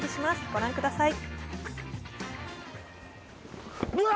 御覧ください。